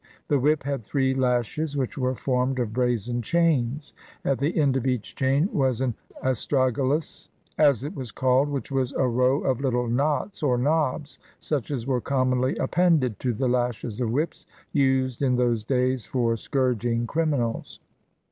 The whip had three lashes, which were formed of brazen chains. At the end of each chain was an astragalus, as it was caUed, which was a row of little knots or knobs, such as were commonly appended to the lashes of whips used in those days for scourging criminals.